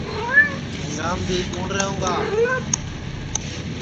جھُنٚگام بھی کُوٹؔ رہوگا